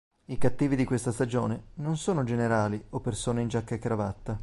I cattivi di questa stagione non sono generali o persone in giacca e cravatta.